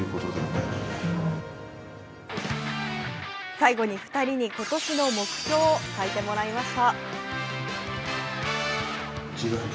最後に２人に、ことしの目標を書いてもらいました。